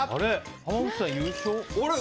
濱口さん、優勝？